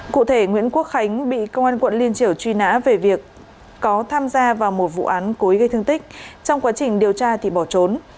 cụ thể nguyễn quốc khánh bị công an quận liên triều truy nã về việc có tham gia vào một vụ án cố ý gây thương tích trong quá trình điều tra thì bỏ trốn